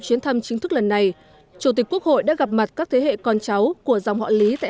chuyến thăm chính thức lần này chủ tịch quốc hội đã gặp mặt các thế hệ con cháu của dòng họ lý tại